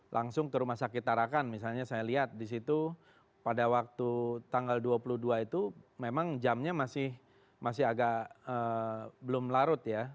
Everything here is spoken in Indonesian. langsung ke rumah sakit tarakan misalnya saya lihat di situ pada waktu tanggal dua puluh dua itu memang jamnya masih agak belum larut ya